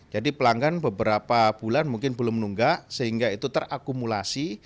jadi pelanggan beberapa bulan mungkin belum menunggak sehingga itu terakumulasi